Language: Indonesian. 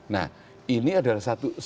nah ini adalah